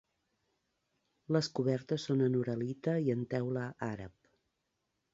Les cobertes són en uralita i en teula àrab.